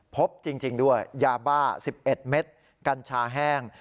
พบจริงด้วยยาบ้า๑๑เม็ดกัญชาแห้ง